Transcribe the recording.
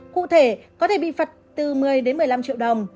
cụ thể có thể bị phạt từ một mươi đến một mươi năm triệu đồng